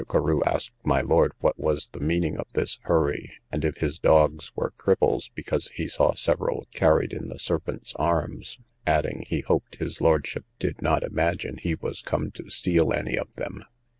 Carew asked my lord what was the meaning of this hurry, and if his dogs were cripples, because he saw several carried in the servants' arms: adding, he hoped his lordship did not imagine he was come to steal any of them.